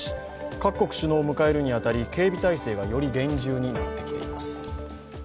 各国首脳を迎えるに当たり警備態勢がより厳重になってきています。